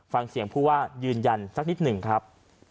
ฟังเสียงผู้ว่ายืนยันสักนิดหนึ่งครับ